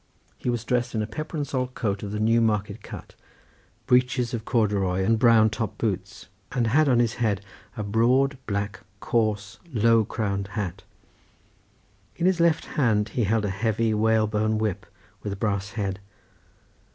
He was dressed in a pepper and salt coat of the Newmarket cut, breeches of corduroy and brown top boots, and had on his head a broad, black, coarse, low crowned hat. In his left hand he held a heavy white whale bone whip with a brass head.